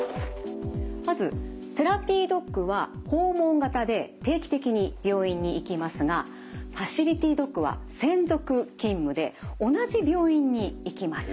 まずセラピードッグは訪問型で定期的に病院に行きますがファシリティドッグは専属勤務で同じ病院に行きます。